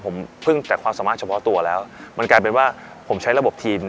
ผมเพิ่งแต่ความสามารถเฉพาะตัวแล้วมันกลายเป็นว่าผมใช้ระบบทีม